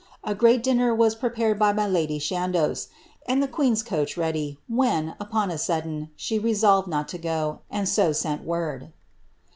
A great dinner was prepared by m; iiiljr Shandos, and the queen's coach ready, when, upon a sudden, sbe » solved not to go, and so sent word."